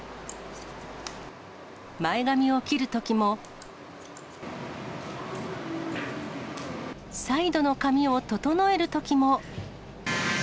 前髪を切るときも、サイドの髪を整えるときも。